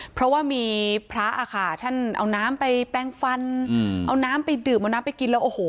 เพราะว่ามีพระอะค่ะท่านเอาน้ำไปแปลงฟันเอาน้ำไปดื่มเอาน้ำไปกินแล้วโอ้โห